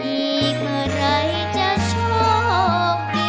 อีกเมื่อไรจะโชคดีกว่า